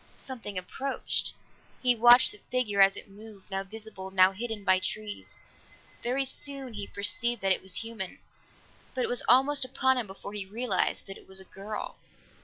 Something approached. He watched the figure as it moved, now visible, now hidden by trees; very soon he perceived that it was human, but it was almost upon him before he realized that it was a girl.